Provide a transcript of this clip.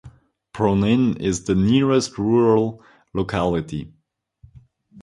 Pronin is the nearest rural locality.